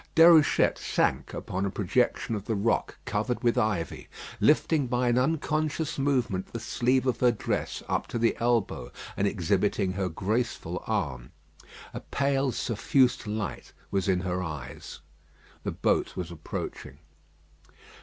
Déruchette sank upon a projection of the rock covered with ivy, lifting by an unconscious movement the sleeve of her dress up to the elbow, and exhibiting her graceful arm. A pale suffused light was in her eyes. The boat was approaching.